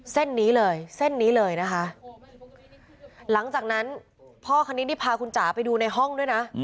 เส้นนี้เลยเส้นนี้เลยนะคะหลังจากนั้นพ่อคนนี้ได้พาคุณจ๋าไปดูในห้องด้วยนะ